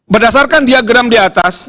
berdasarkan diagram di atas